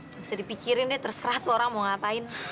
nggak usah dipikirin deh terserah tuh orang mau ngapain